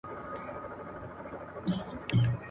تر قیامته پر تڼاکو خپل مزل درته لیکمه ..